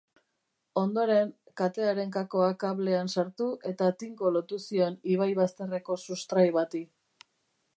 Ondoren, katearen kakoa kablean sartu eta tinko lotu zion ibai-bazterreko sustrai bati.